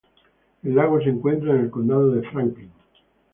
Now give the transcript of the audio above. El lago se encuentra en el Condado de Franklin.